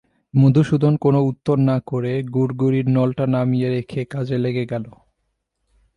মধুসূদন কোনো উত্তর না করে গুড়গুড়ির নলটা নামিয়ে রেখে কাজে লেগে গেল।